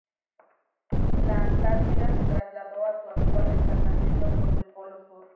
La Antártida se trasladó a su actual emplazamiento sobre el Polo Sur.